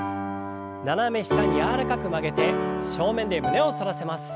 斜め下に柔らかく曲げて正面で胸を反らせます。